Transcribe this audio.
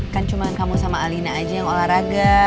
kan cuma kamu sama alina aja yang olahraga